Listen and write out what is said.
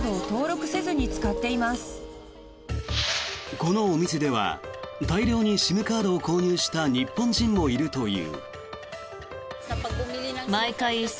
このお店では大量にＳＩＭカードを購入した日本人もいるという。